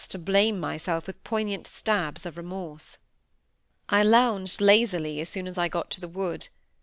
to blame myself with poignant stabs of remorse. I lounged lazily as soon as I got to the wood.